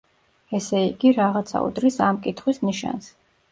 ესე იგი, რაღაცა უდრის ამ კითხვის ნიშანს.